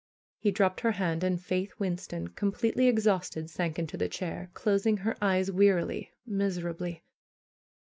He dropped her hand and Faith Winston, completely exhausted, sank into the chair, closing her eyes wearily, miserably.